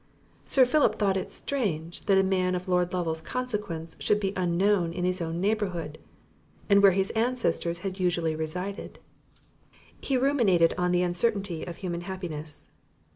Sir Philip thought it strange that a man of Lord Lovel's consequence should be unknown in his own neighbourhood, and where his ancestors had usually resided. He ruminated on the uncertainty of human happiness.